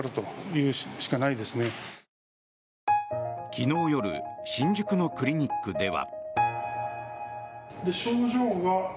昨日夜新宿のクリニックでは。